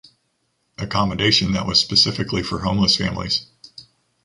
Accommodation that was specifically for homeless families.